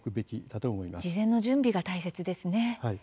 事前の準備が大切ですね。